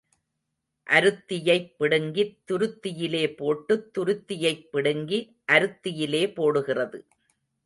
அருத்தியைப் பிடுங்கித் துருத்தியிலே போட்டுத் துருத்தியைப் பிடுங்கி அருத்தியிலே போடுகிறது.